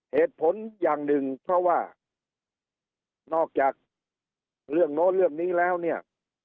เหตุผลอย่างหนึ่งเพราะว่านอกจากเรื่องโน้นเรื่องนี้แล้วเนี่ย